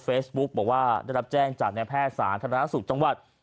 เฟซบุ๊คบอกว่าได้รับแจ้งจากแนวแพทย์สารธนาศุกรจังหวัด